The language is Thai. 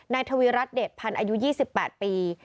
นายทวีรัฐเดชพันอายุ๒๘ปี